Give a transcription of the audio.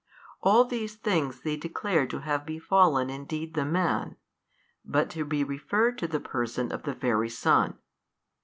All these things they declare to have befallen indeed the man, but to be referred to the Person of the Very Son.